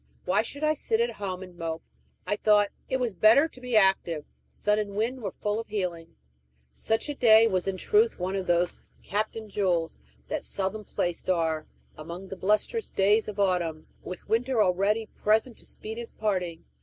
Why should I sit at home and mope, I thought; it was better to be active: sun and wind were full of healing. Such a day was in truth one of those captain jewels "that seldom placed are" among the blusterous days of late autumn, with winter already present to speed its parting.